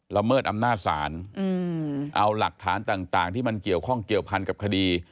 เมิดอำนาจศาลเอาหลักฐานต่างที่มันเกี่ยวข้องเกี่ยวพันกับคดี